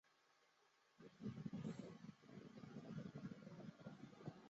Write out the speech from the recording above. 凌云阁塔的历史年代为清代。